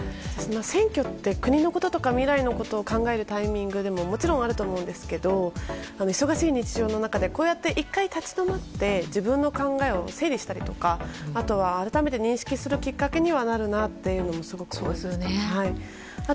選挙って国のこととか未来のことを考えるタイミングでももちろんあると思うんですけど忙しい日常の中でこうやって１回立ち止まって自分の考えを整理したりとか、改めて認識するきっかけにはなるなとすごく思いました。